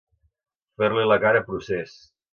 Fer-li la cara procés.